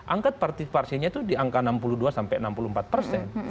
angka partisipasinya itu di angka enam puluh dua sampai enam puluh empat persen